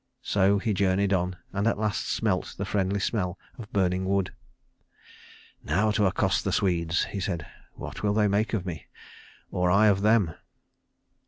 So he journeyed on, and at last smelt the friendly smell of burning wood. "Now to accost the Swedes," he said. "What will they make of me? Or I of them?"